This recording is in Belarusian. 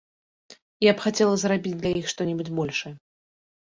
Я б хацела зрабіць для іх што-небудзь большае.